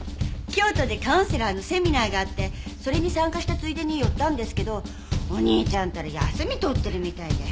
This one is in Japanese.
京都でカウンセラーのセミナーがあってそれに参加したついでに寄ったんですけどお兄ちゃんったら休み取ってるみたいで。